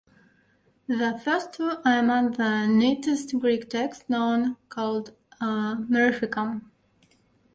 The first two are among the neatest Greek texts known, called "O mirificam".